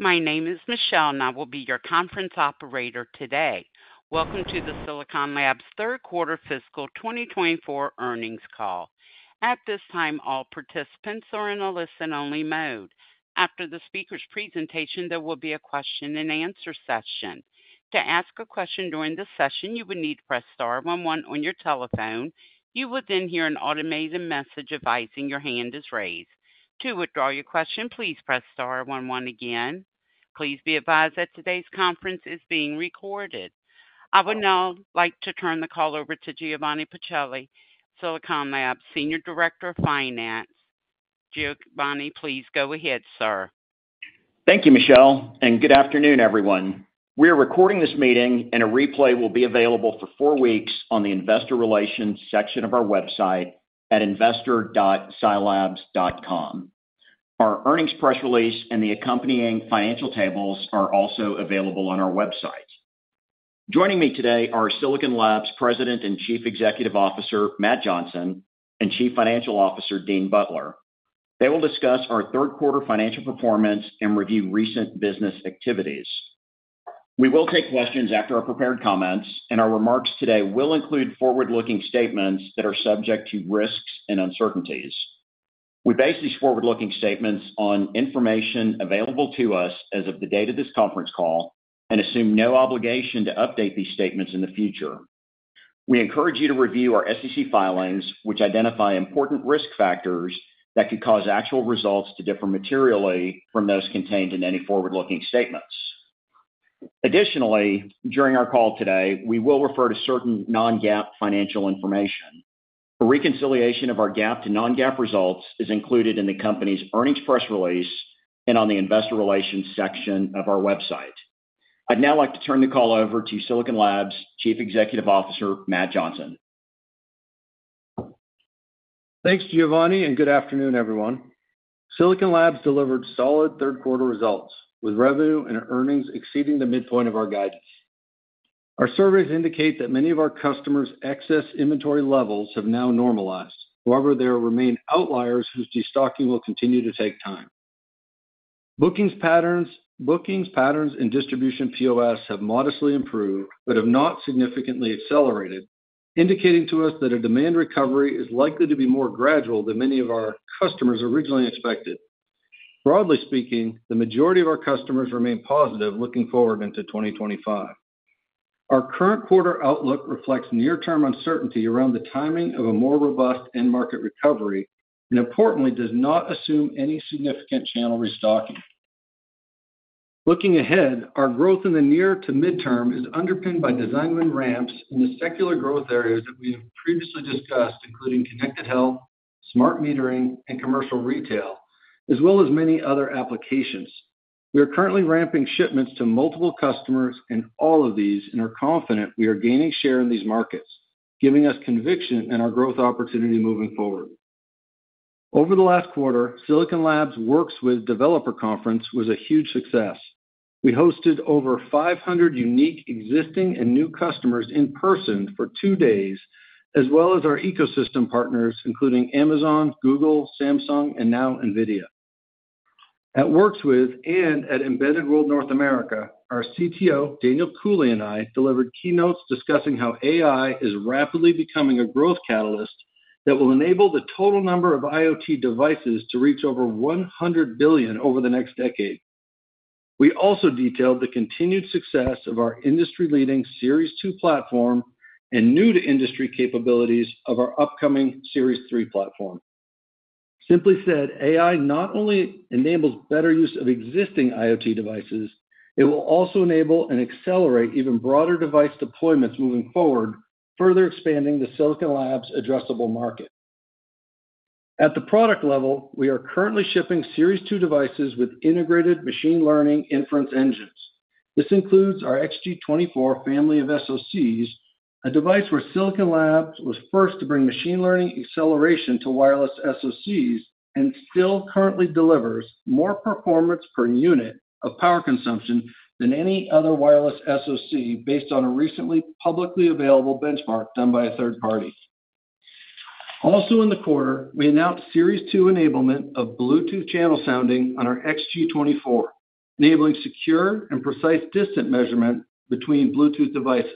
My name is Michelle, and I will be your conference operator today. Welcome to the Silicon Labs Third Quarter Fiscal 2024 Earnings Call. At this time, all participants are in a listen-only mode. After the speaker's presentation, there will be a question-and-answer session. To ask a question during the session, you would need to press star one one on your telephone. You will then hear an automated message advising your hand is raised. To withdraw your question, please press star one one again. Please be advised that today's conference is being recorded. I would now like to turn the call over to Giovanni Pacelli, Silicon Labs Senior Director of Finance. Giovanni, please go ahead, sir. Thank you, Michelle, and good afternoon, everyone. We are recording this meeting, and a replay will be available for four weeks on the investor relations section of our website at investor.silabs.com. Our earnings press release and the accompanying financial tables are also available on our website. Joining me today are Silicon Labs President and Chief Executive Officer Matt Johnson and Chief Financial Officer Dean Butler. They will discuss our third quarter financial performance and review recent business activities. We will take questions after our prepared comments, and our remarks today will include forward-looking statements that are subject to risks and uncertainties. We base these forward-looking statements on information available to us as of the date of this conference call and assume no obligation to update these statements in the future. We encourage you to review our SEC filings, which identify important risk factors that could cause actual results to differ materially from those contained in any forward-looking statements. Additionally, during our call today, we will refer to certain non-GAAP financial information. A reconciliation of our GAAP to non-GAAP results is included in the company's earnings press release and on the investor relations section of our website. I'd now like to turn the call over to Silicon Labs Chief Executive Officer Matt Johnson. Thanks, Giovanni, and good afternoon, everyone. Silicon Labs delivered solid third quarter results with revenue and earnings exceeding the midpoint of our guidance. Our surveys indicate that many of our customers' excess inventory levels have now normalized. However, there remain outliers whose destocking will continue to take time. Bookings patterns and distribution POS have modestly improved but have not significantly accelerated, indicating to us that a demand recovery is likely to be more gradual than many of our customers originally expected. Broadly speaking, the majority of our customers remain positive looking forward into 2025. Our current quarter outlook reflects near-term uncertainty around the timing of a more robust end-market recovery and, importantly, does not assume any significant channel restocking. Looking ahead, our growth in the near to midterm is underpinned by design-win ramps in the secular growth areas that we have previously discussed, including connected health, smart metering, and commercial retail, as well as many other applications. We are currently ramping shipments to multiple customers in all of these, and we are confident we are gaining share in these markets, giving us conviction in our growth opportunity moving forward. Over the last quarter, Silicon Labs Works With Developer Conference was a huge success. We hosted over 500 unique existing and new customers in person for two days, as well as our ecosystem partners, including Amazon, Google, Samsung, and now Nvidia. At Works With and at Embedded World North America, our CTO, Daniel Cooley, and I delivered keynotes discussing how AI is rapidly becoming a growth catalyst that will enable the total number of IoT devices to reach over 100 billion over the next decade. We also detailed the continued success of our industry-leading Series 2 platform and new-to-industry capabilities of our upcoming Series 3 platform. Simply said, AI not only enables better use of existing IoT devices, it will also enable and accelerate even broader device deployments moving forward, further expanding the Silicon Labs addressable market. At the product level, we are currently shipping Series 2 devices with integrated machine learning inference engines. This includes our xG24 family of SoCs, a device where Silicon Labs was first to bring machine learning acceleration to wireless SoCs and still currently delivers more performance per unit of power consumption than any other wireless SoC based on a recently publicly available benchmark done by a third party. Also in the quarter, we announced Series 2 enablement of Bluetooth channel sounding on our xG24, enabling secure and precise distance measurement between Bluetooth devices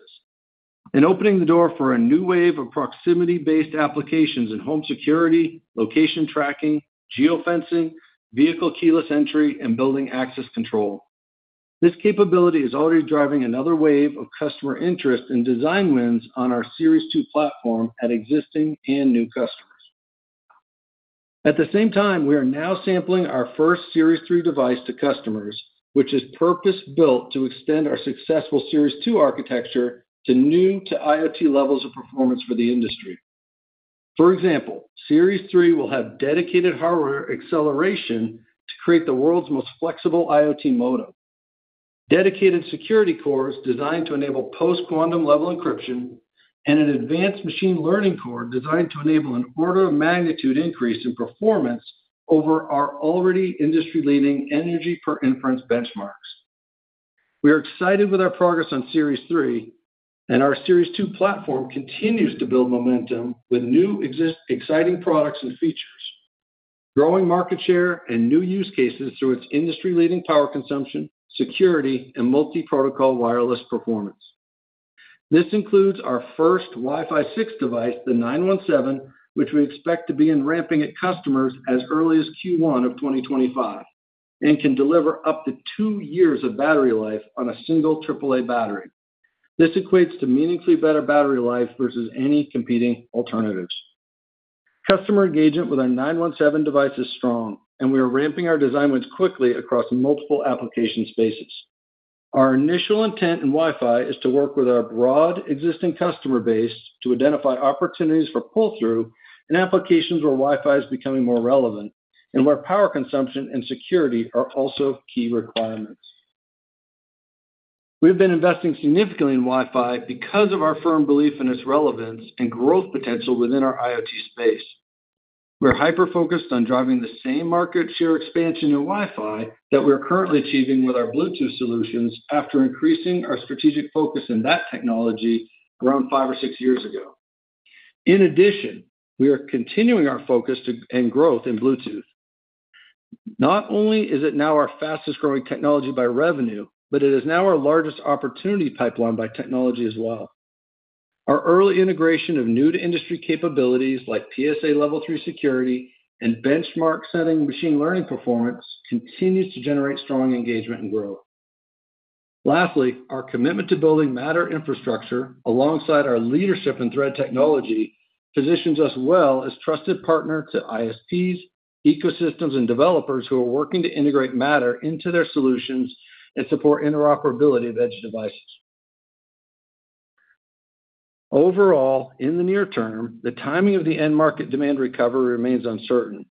and opening the door for a new wave of proximity-based applications in home security, location tracking, geofencing, vehicle keyless entry, and building access control. This capability is already driving another wave of customer interest and design wins on our Series 2 platform at existing and new customers. At the same time, we are now sampling our first Series 3 device to customers, which is purpose-built to extend our successful Series 2 architecture to new-to-IoT levels of performance for the industry. For example, Series 3 will have dedicated hardware acceleration to create the world's most flexible IoT modem, dedicated security cores designed to enable post-quantum-level encryption, and an advanced machine learning core designed to enable an order of magnitude increase in performance over our already industry-leading energy per inference benchmarks. We are excited with our progress on Series 3, and our Series 2 platform continues to build momentum with new exciting products and features, growing market share, and new use cases through its industry-leading power consumption, security, and multi-protocol wireless performance. This includes our first Wi-Fi 6 device, the 917, which we expect to begin ramping at customers as early as Q1 of 2025 and can deliver up to two years of battery life on a single AAA battery. This equates to meaningfully better battery life versus any competing alternatives. Customer engagement with our 917 device is strong, and we are ramping our design wins quickly across multiple application spaces. Our initial intent in Wi-Fi is to work with our broad existing customer base to identify opportunities for pull-through and applications where Wi-Fi is becoming more relevant and where power consumption and security are also key requirements. We have been investing significantly in Wi-Fi because of our firm belief in its relevance and growth potential within our IoT space. We are hyper-focused on driving the same market share expansion in Wi-Fi that we are currently achieving with our Bluetooth solutions after increasing our strategic focus in that technology around five or six years ago. In addition, we are continuing our focus and growth in Bluetooth. Not only is it now our fastest-growing technology by revenue, but it is now our largest opportunity pipeline by technology as well. Our early integration of new-to-industry capabilities like PSA Level 3 security and benchmark-setting machine learning performance continues to generate strong engagement and growth. Lastly, our commitment to building Matter infrastructure alongside our leadership in Thread technology positions us well as a trusted partner to ISPs, ecosystems, and developers who are working to integrate Matter into their solutions and support interoperability of edge devices. Overall, in the near term, the timing of the end-market demand recovery remains uncertain.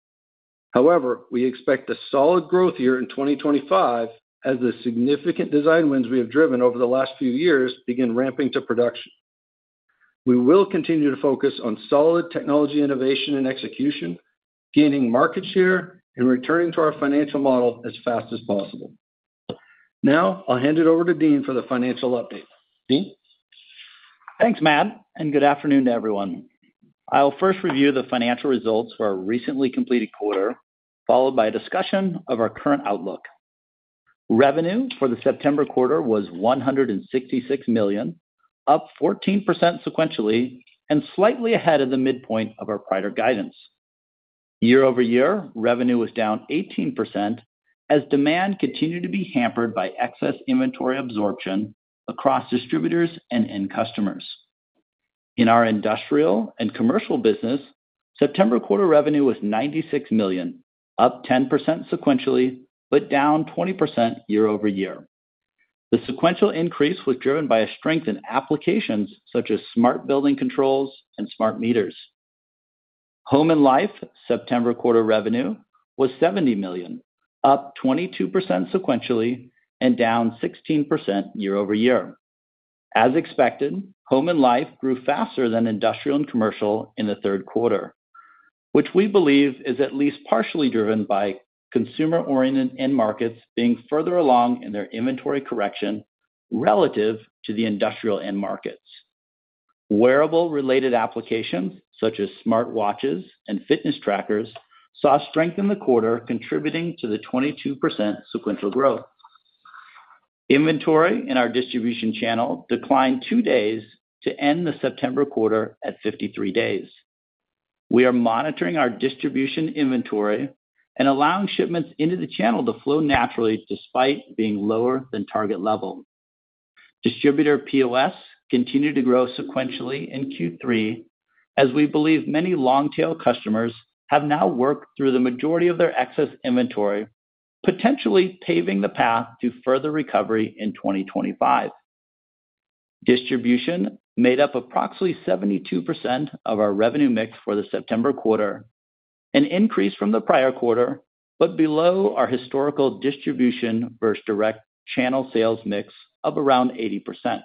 However, we expect a solid growth year in 2025 as the significant design wins we have driven over the last few years begin ramping to production. We will continue to focus on solid technology innovation and execution, gaining market share, and returning to our financial model as fast as possible. Now, I'll hand it over to Dean for the financial update. Dean? Thanks, Matt, and good afternoon to everyone. I'll first review the financial results for our recently completed quarter, followed by a discussion of our current outlook. Revenue for the September quarter was $166 million, up 14% sequentially and slightly ahead of the midpoint of our prior guidance. Year-over-year, revenue was down 18% as demand continued to be hampered by excess inventory absorption across distributors and end customers. In our Industrial and Commercial business, September quarter revenue was $96 million, up 10% sequentially but down 20% year-over-year. The sequential increase was driven by a strength in applications such as smart building controls and smart meters. Home and Life September quarter revenue was $70 million, up 22% sequentially and down 16% year-over-year. As expected, Home and Life grew faster than Industrial and Commercial in the third quarter, which we believe is at least partially driven by consumer-oriented end markets being further along in their inventory correction relative to the industrial end markets. Wearable-related applications such as smartwatches and fitness trackers saw strength in the quarter, contributing to the 22% sequential growth. Inventory in our distribution channel declined two days to end the September quarter at 53 days. We are monitoring our distribution inventory and allowing shipments into the channel to flow naturally despite being lower than target level. Distributor POS continued to grow sequentially in Q3 as we believe many long-tail customers have now worked through the majority of their excess inventory, potentially paving the path to further recovery in 2025. Distribution made up approximately 72% of our revenue mix for the September quarter, an increase from the prior quarter but below our historical distribution versus direct channel sales mix of around 80%.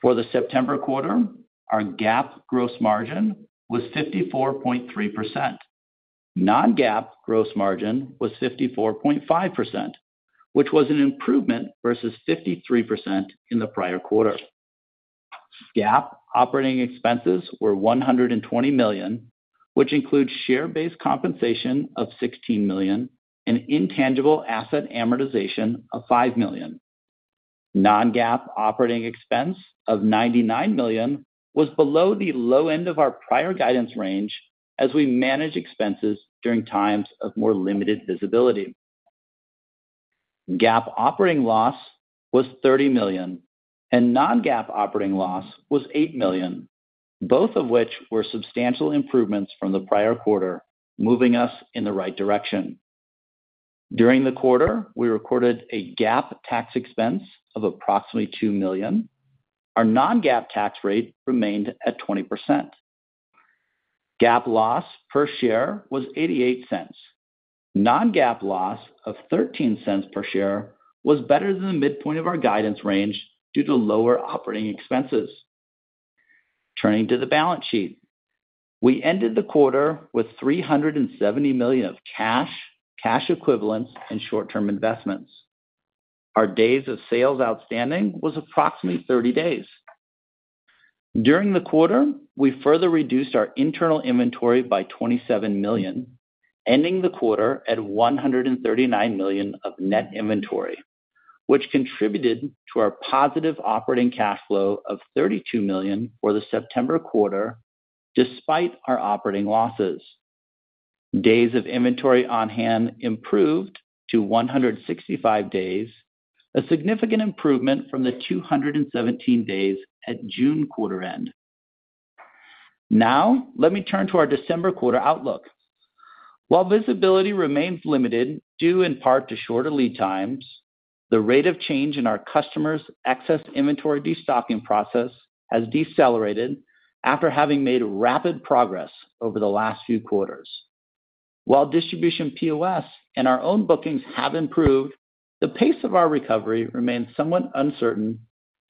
For the September quarter, our GAAP gross margin was 54.3%. Non-GAAP gross margin was 54.5%, which was an improvement versus 53% in the prior quarter. GAAP operating expenses were $120 million, which includes share-based compensation of $16 million and intangible asset amortization of $5 million. Non-GAAP operating expense of $99 million was below the low end of our prior guidance range as we manage expenses during times of more limited visibility. GAAP operating loss was $30 million, and non-GAAP operating loss was $8 million, both of which were substantial improvements from the prior quarter, moving us in the right direction. During the quarter, we recorded a GAAP tax expense of approximately $2 million. Our non-GAAP tax rate remained at 20%. GAAP loss per share was $0.88. Non-GAAP loss of $0.13 per share was better than the midpoint of our guidance range due to lower operating expenses. Turning to the balance sheet, we ended the quarter with $370 million of cash, cash equivalents, and short-term investments. Our days of sales outstanding was approximately 30 days. During the quarter, we further reduced our internal inventory by $27 million, ending the quarter at $139 million of net inventory, which contributed to our positive operating cash flow of $32 million for the September quarter despite our operating losses. Days of inventory on hand improved to 165 days, a significant improvement from the 217 days at June quarter end. Now, let me turn to our December quarter outlook. While visibility remains limited due in part to shorter lead times, the rate of change in our customers' excess inventory destocking process has decelerated after having made rapid progress over the last few quarters. While distribution POS and our own bookings have improved, the pace of our recovery remains somewhat uncertain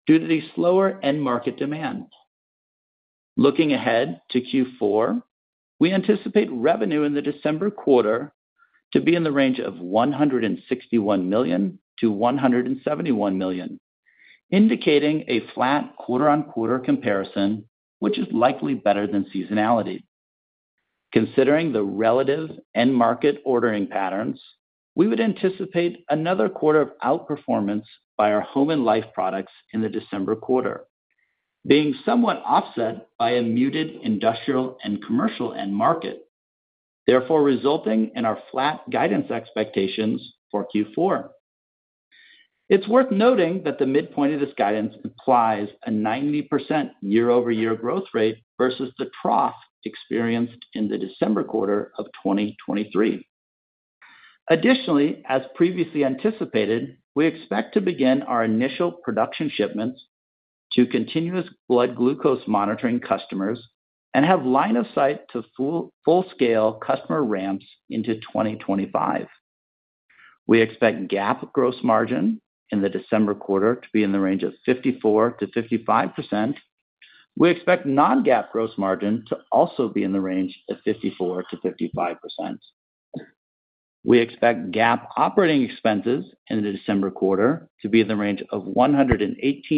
due to the slower end-market demand. Looking ahead to Q4, we anticipate revenue in the December quarter to be in the range of $161 million-$171 million, indicating a flat quarter-on-quarter comparison, which is likely better than seasonality. Considering the relative end-market ordering patterns, we would anticipate another quarter of outperformance by our Home and Life products in the December quarter, being somewhat offset by a muted industrial and commercial end-market, therefore resulting in our flat guidance expectations for Q4. It's worth noting that the midpoint of this guidance implies a 90% year-over-year growth rate versus the trough experienced in the December quarter of 2023. Additionally, as previously anticipated, we expect to begin our initial production shipments to continuous blood glucose monitoring customers and have line of sight to full-scale customer ramps into 2025. We expect GAAP gross margin in the December quarter to be in the range of 54%-55%. We expect non-GAAP gross margin to also be in the range of 54%-55%. We expect GAAP operating expenses in the December quarter to be in the range of $118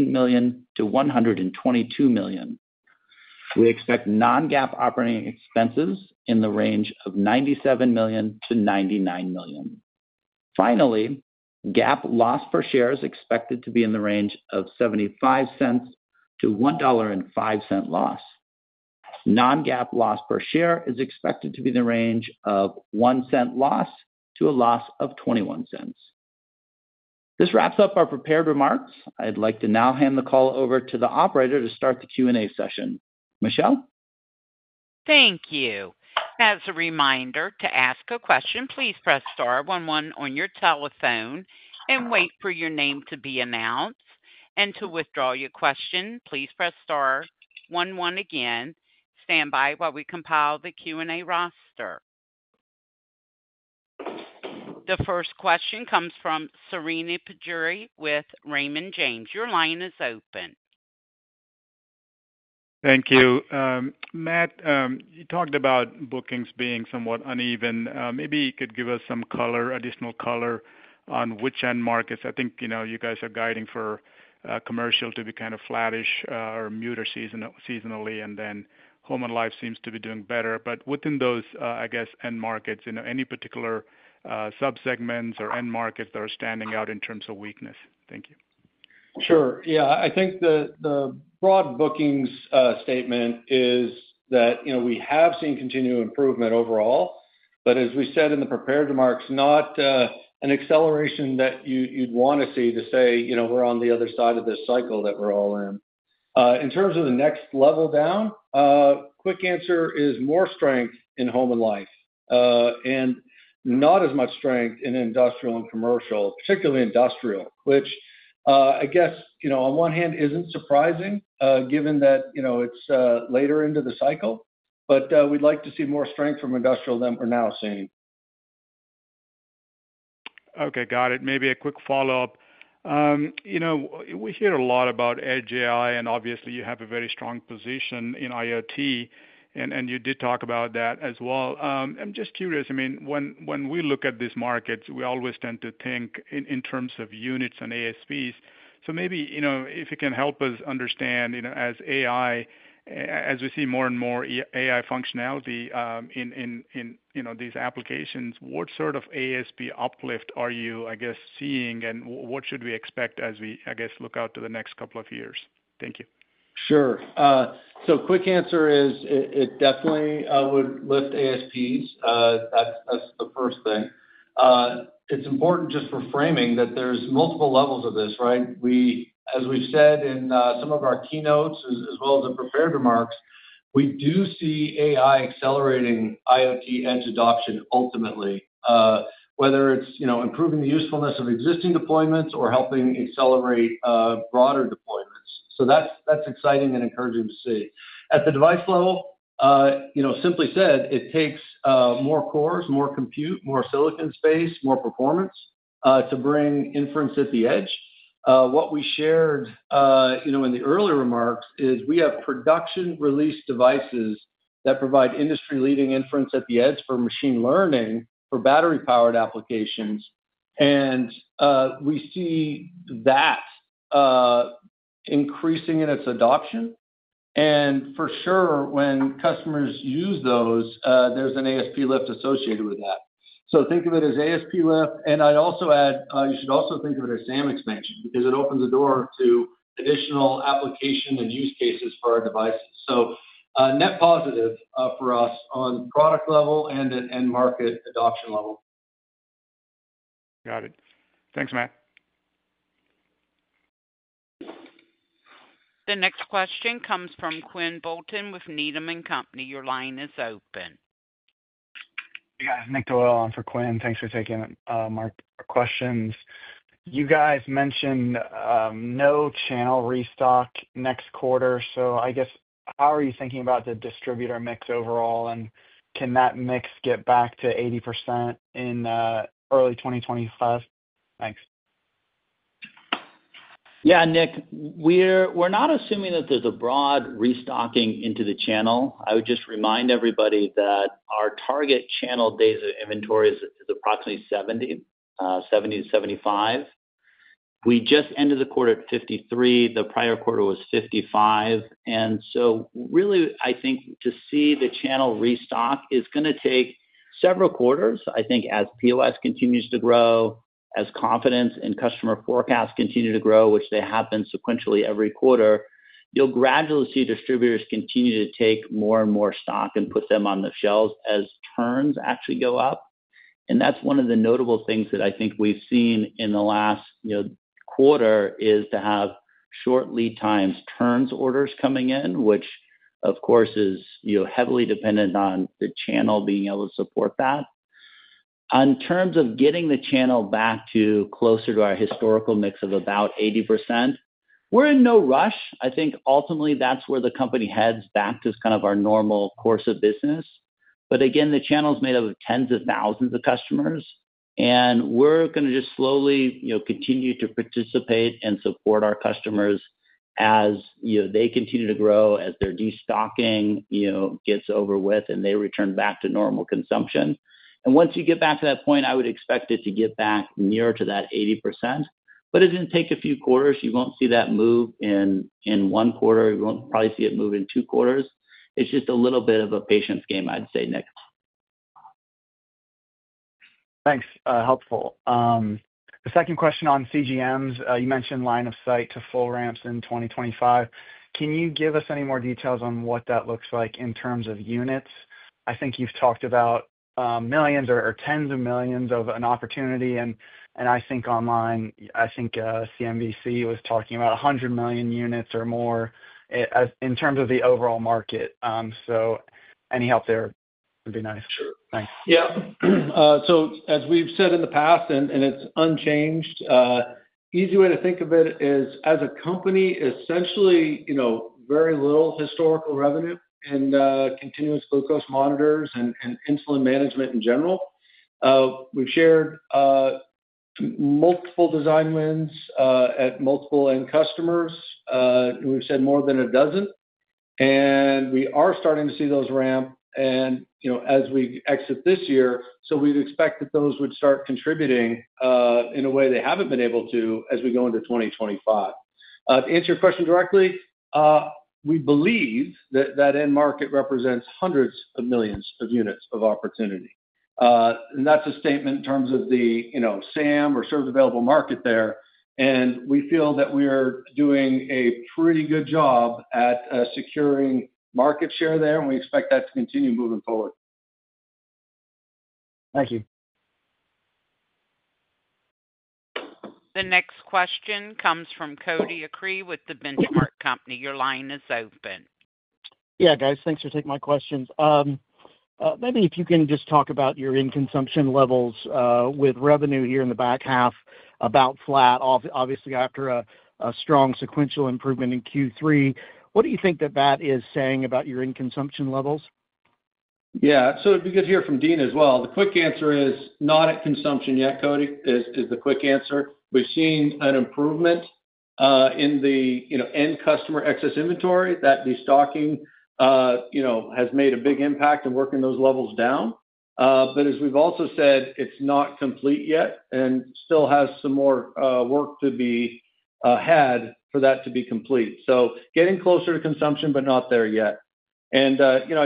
million-$122 million. We expect non-GAAP operating expenses in the range of $97 million-$99 million. Finally, GAAP loss per share is expected to be in the range of $0.75-$1.05 loss. Non-GAAP loss per share is expected to be in the range of $0.01 loss to a loss of $0.21. This wraps up our prepared remarks. I'd like to now hand the call over to the operator to start the Q&A session. Michelle? Thank you. As a reminder, to ask a question, please press star one one on your telephone and wait for your name to be announced, and to withdraw your question, please press star one one again. Stand by while we compile the Q&A roster. The first question comes from Srini Pajjuri with Raymond James. Your line is open. Thank you. Matt, you talked about bookings being somewhat uneven. Maybe you could give us some color, additional color on which end markets? I think you guys are guiding for commercial to be kind of flattish or muted seasonally, and then Home and Life seems to be doing better. But within those, I guess, end markets, any particular subsegments or end markets that are standing out in terms of weakness? Thank you. Sure. Yeah. I think the broad bookings statement is that we have seen continued improvement overall, but as we said in the prepared remarks, not an acceleration that you'd want to see to say we're on the other side of this cycle that we're all in. In terms of the next level down, quick answer is more strength in Home and Life and not as much strength in industrial and commercial, particularly industrial, which I guess on one hand isn't surprising given that it's later into the cycle, but we'd like to see more strength from industrial than we're now seeing. Okay. Got it. Maybe a quick follow-up. We hear a lot about edge AI, and obviously, you have a very strong position in IoT, and you did talk about that as well. I'm just curious. I mean, when we look at these markets, we always tend to think in terms of units and ASPs. So maybe if you can help us understand, as we see more and more AI functionality in these applications, what sort of ASP uplift are you, I guess, seeing, and what should we expect as we, I guess, look out to the next couple of years? Thank you. Sure. So quick answer is it definitely would lift ASPs. That's the first thing. It's important just for framing that there's multiple levels of this, right? As we've said in some of our keynotes, as well as the prepared remarks, we do see AI accelerating IoT edge adoption ultimately, whether it's improving the usefulness of existing deployments or helping accelerate broader deployments. So that's exciting and encouraging to see. At the device level, simply said, it takes more cores, more compute, more silicon space, more performance to bring inference at the edge. What we shared in the earlier remarks is we have production-release devices that provide industry-leading inference at the edge for machine learning for battery-powered applications. And we see that increasing in its adoption. And for sure, when customers use those, there's an ASP lift associated with that. So think of it as ASP lift. I'd also add you should also think of it as SAM expansion because it opens the door to additional application and use cases for our devices, so net positive for us on product level and at end-market adoption level. Got it. Thanks, Matt. The next question comes from Quinn Bolton with Needham & Company. Your line is open. Hey, guys. Nick Doyle on for Quinn. Thanks for taking our questions. You guys mentioned no channel restock next quarter. So I guess, how are you thinking about the distributor mix overall, and can that mix get back to 80% in early 2025? Thanks. Yeah, Nick, we're not assuming that there's a broad restocking into the channel. I would just remind everybody that our target channel days of inventory is approximately 70, 70 to 75. We just ended the quarter at 53. The prior quarter was 55, and so really, I think to see the channel restock is going to take several quarters. I think as POS continues to grow, as confidence in customer forecasts continue to grow, which they have been sequentially every quarter, you'll gradually see distributors continue to take more and more stock and put them on the shelves as turns actually go up, and that's one of the notable things that I think we've seen in the last quarter is to have short lead times, turns orders coming in, which, of course, is heavily dependent on the channel being able to support that. In terms of getting the channel back to closer to our historical mix of about 80%, we're in no rush. I think ultimately that's where the company heads back to kind of our normal course of business. But again, the channel's made up of tens of thousands of customers, and we're going to just slowly continue to participate and support our customers as they continue to grow, as their destocking gets over with, and they return back to normal consumption. And once you get back to that point, I would expect it to get back near to that 80%. But it's going to take a few quarters. You won't see that move in one quarter. You won't probably see it move in two quarters. It's just a little bit of a patience game, I'd say, Nick. Thanks. Helpful. The second question on CGMs, you mentioned line of sight to full ramps in 2025. Can you give us any more details on what that looks like in terms of units? I think you've talked about millions or tens of millions of an opportunity. And I think online, I think CNBC was talking about 100 million units or more in terms of the overall market. So any help there would be nice. Sure. Thanks. Yeah. So, as we've said in the past, and it's unchanged, the easy way to think of it is as a company, essentially very little historical revenue in continuous glucose monitors and insulin management in general. We've shared multiple design wins at multiple end customers. We've said more than a dozen, and we are starting to see those ramp as we exit this year, so we'd expect that those would start contributing in a way they haven't been able to as we go into 2025. To answer your question directly, we believe that that end market represents hundreds of millions of units of opportunity, and that's a statement in terms of the SAM or service available market there, and we feel that we are doing a pretty good job at securing market share there, and we expect that to continue moving forward. Thank you. The next question comes from Cody Acree with The Benchmark Company. Your line is open. Yeah, guys. Thanks for taking my questions. Maybe if you can just talk about your end consumption levels with revenue here in the back half about flat, obviously after a strong sequential improvement in Q3. What do you think that that is saying about your end consumption levels? Yeah. So it'd be good to hear from Dean as well. The quick answer is not at consumption yet, Cody. Is the quick answer. We've seen an improvement in the end customer excess inventory that destocking has made a big impact and working those levels down. But as we've also said, it's not complete yet and still has some more work to be had for that to be complete. So getting closer to consumption, but not there yet, and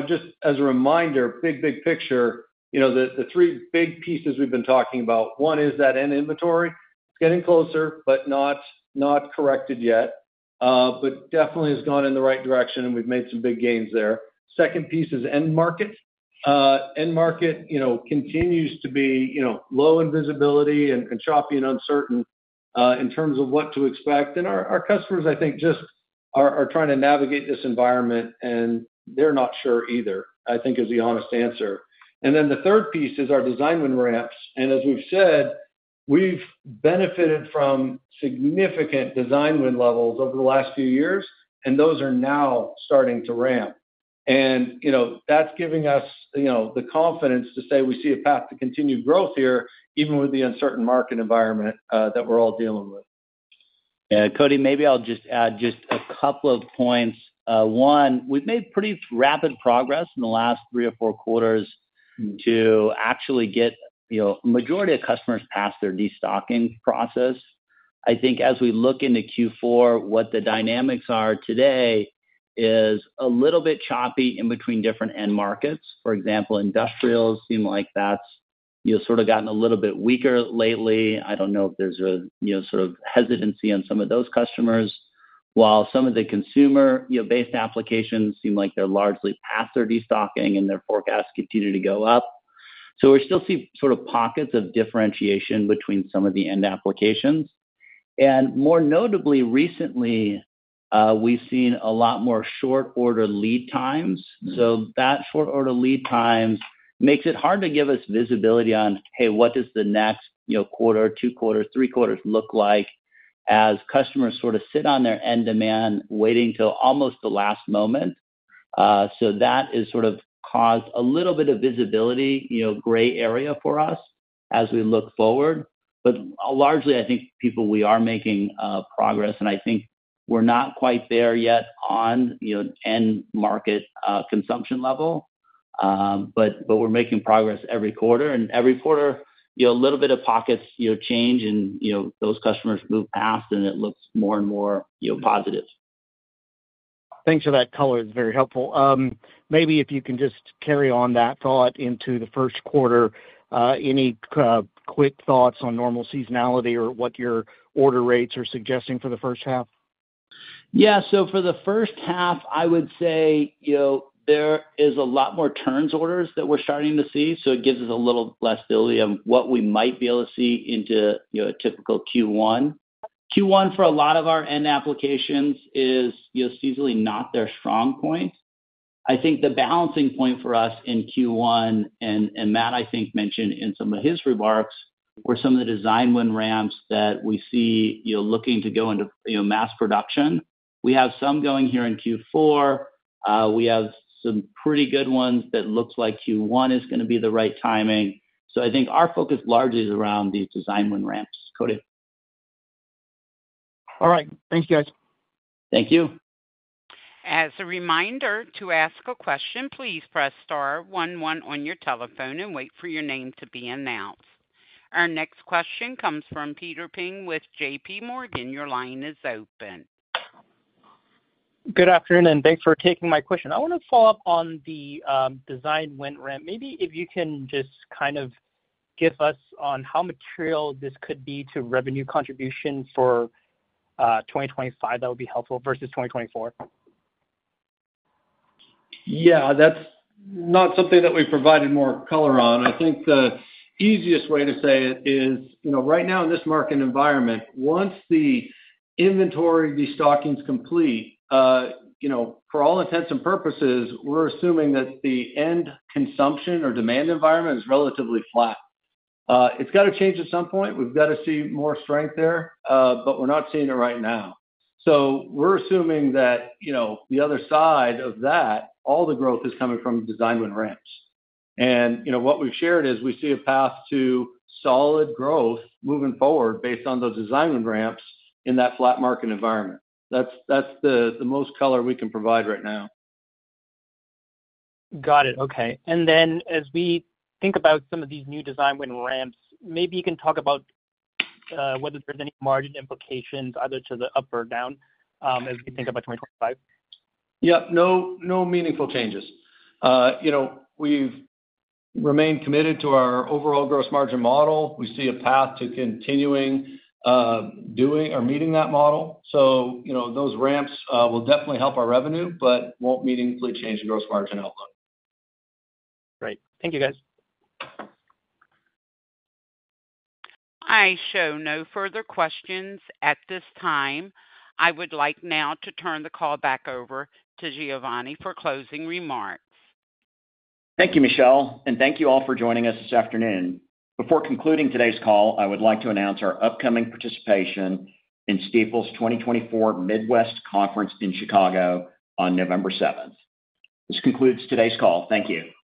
just as a reminder, big, big picture, the three big pieces we've been talking about. One is that end inventory. It's getting closer, but not corrected yet, but definitely has gone in the right direction, and we've made some big gains there. Second piece is end market. End market continues to be low in visibility and choppy and uncertain in terms of what to expect. And our customers, I think, just are trying to navigate this environment, and they're not sure either, I think, is the honest answer. And then the third piece is our design win ramps. And as we've said, we've benefited from significant design win levels over the last few years, and those are now starting to ramp. And that's giving us the confidence to say we see a path to continued growth here, even with the uncertain market environment that we're all dealing with. Yeah. Cody, maybe I'll just add just a couple of points. One, we've made pretty rapid progress in the last three or four quarters to actually get a majority of customers past their destocking process. I think as we look into Q4, what the dynamics are today is a little bit choppy in between different end markets. For example, industrials seem like that's sort of gotten a little bit weaker lately. I don't know if there's a sort of hesitancy on some of those customers. While some of the consumer-based applications seem like they're largely past their destocking, and their forecasts continue to go up, so we still see sort of pockets of differentiation between some of the end applications, and more notably, recently, we've seen a lot more short-order lead times, so that short-order lead time makes it hard to give us visibility on, hey, what does the next quarter, two quarters, three quarters look like as customers sort of sit on their end demand waiting till almost the last moment, so that has sort of caused a little bit of visibility, gray area for us as we look forward. But largely, I think people, we are making progress, and I think we're not quite there yet on end market consumption level, but we're making progress every quarter, and every quarter, a little bit of pockets change, and those customers move past, and it looks more and more positive. Thanks for that color. It's very helpful. Maybe if you can just carry on that thought into the first quarter, any quick thoughts on normal seasonality or what your order rates are suggesting for the first half? Yeah. So for the first half, I would say there is a lot more turns orders that we're starting to see. So it gives us a little less ability of what we might be able to see into a typical Q1. Q1 for a lot of our end applications is easily not their strong point. I think the balancing point for us in Q1, and Matt, I think, mentioned in some of his remarks, were some of the design win ramps that we see looking to go into mass production. We have some going here in Q4. We have some pretty good ones that look like Q1 is going to be the right timing. So I think our focus largely is around these design win ramps, Cody. All right. Thanks, guys. Thank you. As a reminder to ask a question, please press star one one on your telephone and wait for your name to be announced. Our next question comes from Peter Peng with JPMorgan. Your line is open. Good afternoon, and thanks for taking my question. I want to follow up on the design win ramp. Maybe if you can just kind of give us on how material this could be to revenue contribution for 2025, that would be helpful versus 2024? Yeah. That's not something that we provided more color on. I think the easiest way to say it is right now in this market environment, once the inventory destocking is complete, for all intents and purposes, we're assuming that the end consumption or demand environment is relatively flat. It's got to change at some point. We've got to see more strength there, but we're not seeing it right now. So we're assuming that the other side of that, all the growth is coming from design win ramps. And what we've shared is we see a path to solid growth moving forward based on those design win ramps in that flat market environment. That's the most color we can provide right now. Got it. Okay. And then as we think about some of these new design win ramps, maybe you can talk about whether there's any margin implications either to the up or down as we think about 2025? Yep. No meaningful changes. We've remained committed to our overall gross margin model. We see a path to continuing or meeting that model. So those ramps will definitely help our revenue, but won't meaningfully change the gross margin outlook. Great. Thank you, guys. I show no further questions at this time. I would like now to turn the call back over to Giovanni for closing remarks. Thank you, Michelle, and thank you all for joining us this afternoon. Before concluding today's call, I would like to announce our upcoming participation in Stifel’s 2024 Midwest Conference in Chicago on November 7th. This concludes today's call. Thank you.